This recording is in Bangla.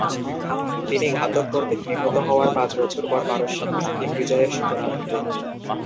তিনি ঘাতক কর্তৃক নিহত হওয়ার পাঁচ বছর পর পারস্যে মুসলিম বিজয়ের সূচনা ঘটে।